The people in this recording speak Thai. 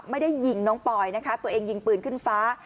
ไม่ได้ยิงน้องปอยนะคะตัวเองยิงปืนขึ้นฟ้า